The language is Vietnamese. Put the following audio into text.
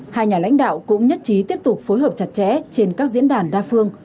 hai nhà lãnh đạo cũng nhất trí tiếp tục phối hợp chặt chẽ trên các diễn đàn đa phương